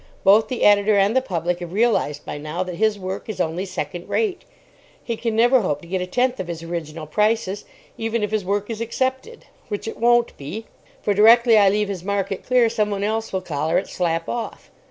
Both the editor and the public have realised by now that his work is only second rate. He can never hope to get a tenth of his original prices, even if his work is accepted, which it won't be; for directly I leave his market clear, someone else will collar it slap off.